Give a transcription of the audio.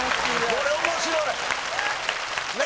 これ面白い。